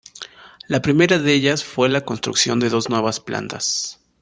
La primera de ellas fue la construcción de dos nuevas plantas.